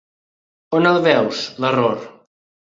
On el veus, l'error?